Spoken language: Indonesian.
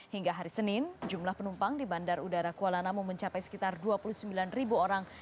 hingga hari senin jumlah penumpang di bandar udara kuala namu mencapai sekitar dua puluh sembilan ribu orang